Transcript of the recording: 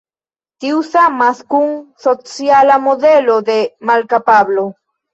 Tiu samas kun sociala modelo de malkapablo.